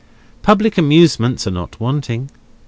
Public amusements are not wanting.